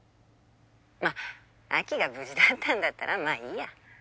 まあ亜紀が無事だったんだったらまあいいや。